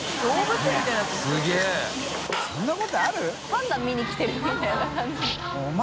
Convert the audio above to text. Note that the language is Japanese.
パンダ見に来てるみたいな感じ